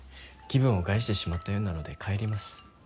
気分を害してしまったようなので帰ります。